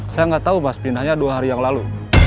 saya nggak tahu mas pindahnya dua hari yang lalu